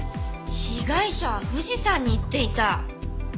被害者は富士山に行っていた？